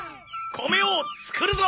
米を作るぞ！